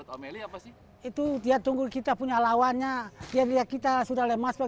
saya seringkan dia terus